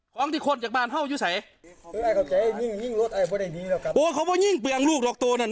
ของที่คนจากบ้านเฮ่าอยู่ใส